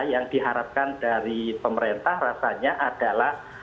yang diharapkan dari pemerintah rasanya adalah